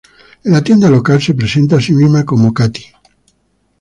En la tienda local, se presenta a sí misma como Katie.